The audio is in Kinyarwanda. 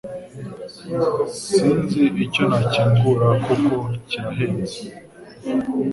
Sinzi icyo nakingura kuko kirahenze